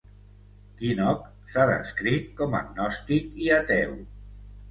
Kinnock s'ha descrit com agnòstic i ateu.